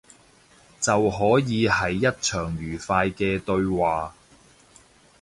就可以係一場愉快嘅對話